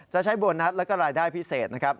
ใช้โบนัสแล้วก็รายได้พิเศษนะครับ